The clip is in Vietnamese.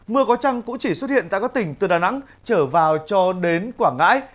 mưa có trăng cũng chỉ xuất hiện tại các tỉnh từ đà nẵng trở vào cho đến quảng ngãi